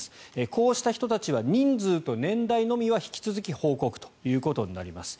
こうした人たちは人数と年代のみは引き続き報告となります。